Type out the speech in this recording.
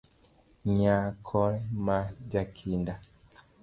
Nyako ma jakinda